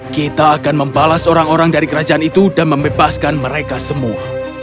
kita akan membalas orang orang dari kerajaan itu dan membebaskan mereka semua